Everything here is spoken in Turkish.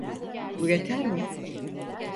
Bu yeter mi?